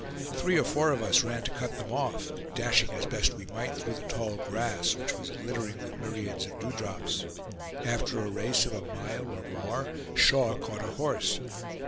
Three or four of us ran to cut them off, dashing as best we might through the tall grass, which was glittering with myriads of dewdrops. After a race of a mile or more, Shaw caught a horse.